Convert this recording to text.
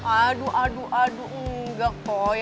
aduh aduh aduh enggak koi